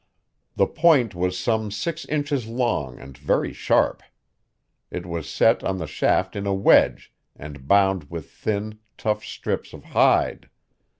The point was some six inches long and very sharp. It was set on the shaft in a wedge, and bound with thin, tough strips of hide.